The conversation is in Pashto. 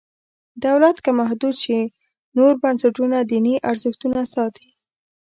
دولت که محدود شي نور بنسټونه دیني ارزښتونه ساتي.